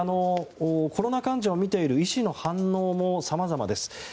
コロナ患者を診ている医師の反応もさまざまです。